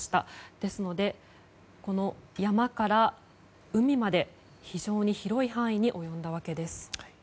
ですので、この山から海まで非常に広い範囲に及んだわけです。